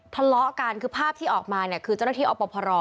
ทะเลาะกันภาพที่ออกมาคือเจ้าหน้าที่อพ